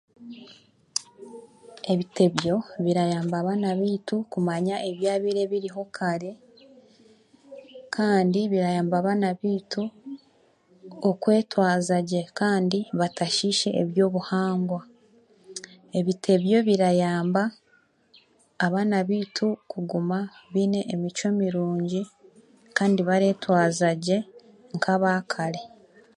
Ebitebyo birayamba abaana baitu kumanya ebyabaire biriho kare kandi birayamba abaana baituokwetwaza gye kandi batashiishe eby'obuhangwa ebitebyo birayamba abaana baitu kuguma baine emicwe mirungi kandi bareetwaza gye nk'abaakare